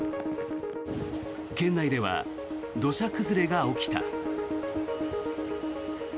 県内では土砂崩れが起きた。